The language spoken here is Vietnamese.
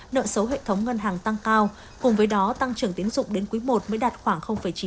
nợ số hệ thống ngân hàng tăng cao cùng với đó tăng trưởng tiến dụng đến quý i mới đạt khoảng chín